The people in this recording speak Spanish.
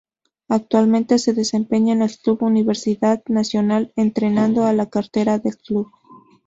Actualmente se desempeña en el club Universidad Nacional entrenando a la cantera del club.